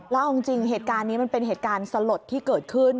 แล้วเอาจริงเหตุการณ์นี้มันเป็นเหตุการณ์สลดที่เกิดขึ้น